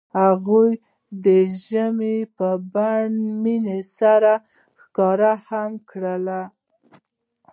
هغوی د ژمنې په بڼه مینه سره ښکاره هم کړه.